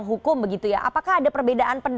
gambar saat west